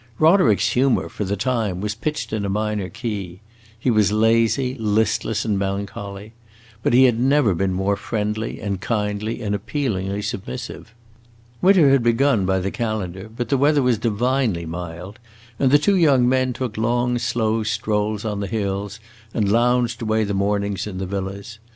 Roderick's humor, for the time, was pitched in a minor key; he was lazy, listless, and melancholy, but he had never been more friendly and kindly and appealingly submissive. Winter had begun, by the calendar, but the weather was divinely mild, and the two young men took long slow strolls on the hills and lounged away the mornings in the villas.